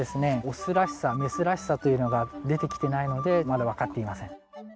オスらしさメスらしさというのが出てきてないのでまだわかっていません。